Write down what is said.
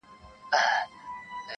خدای انډیوال که جانان څۀ ته وایي,